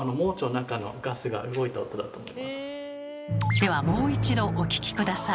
ではもう一度お聞き下さい。